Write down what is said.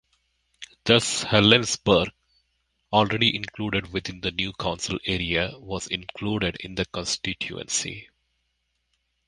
Thus Helensburgh, already included within the new council area, was included in the constituency.